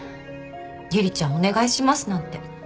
「ゆりちゃんお願いします」なんて。